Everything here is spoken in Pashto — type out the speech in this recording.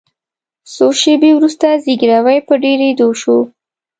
څو شیبې وروسته زګیروي په ډیریدو شو.